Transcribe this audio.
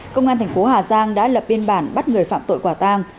công an thành phố hà giang đã lập biên bản bắt người phạm tội quả tang